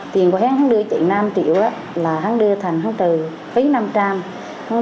tiền của hắn đưa chị năm triệu là hắn đưa thành hắn trời phí năm trăm linh